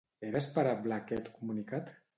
Era esperable aquest comunicat?